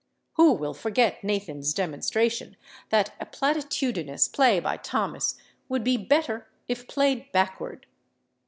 Who will forget Nathan's demonstration that a platitudinous play by Thomas would be better if played backward?